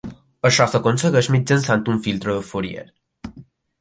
Això s'aconsegueix mitjançant un filtre de Fourier.